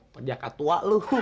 pediakat tua lo